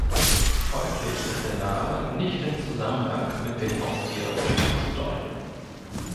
Folglich ist der Name nicht im Zusammenhang mit dem Haustier „Hund“ zu deuten.